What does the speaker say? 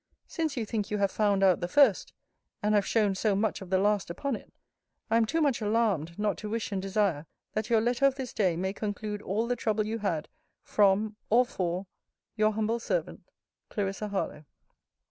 Since you think you have found out the first, and have shown so much of the last upon it, I am too much alarmed, not to wish and desire, that your letter of this day may conclude all the trouble you had from, or for, Your humble servant, CL. HARLOWE.